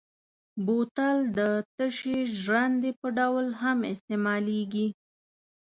بوتل د تشې ژرندې په ډول هم استعمالېږي.